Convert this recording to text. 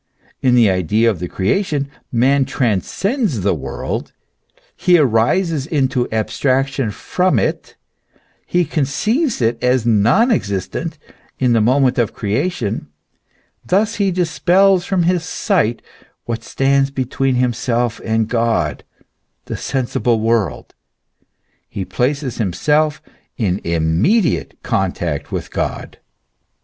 In the idea of the creation man transcends the world, he rises into abstraction from it ; he conceives it as non existent in the moment of creation ; thus he dispels from his sight what stands between himself and God, the sensible world ; he places himself in immediate contact with God.